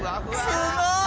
すごい！